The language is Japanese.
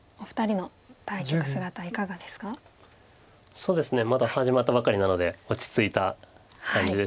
そうですねまだ始まったばかりなので落ち着いた感じですよね。